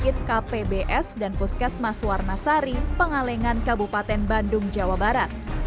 di antaranya susana pbs dan puskes mas warnasari pengalengan kabupaten bandung jawa barat